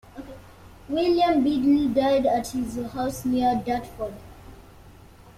William Bedle died at his house near Dartford.